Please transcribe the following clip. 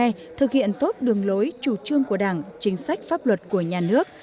nguyện tốt đường lối chủ trương của đảng chính sách pháp luật của nhà nước